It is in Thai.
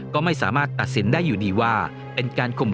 ก็ไม่สามารถตัดสินได้ว่าเป็นการคง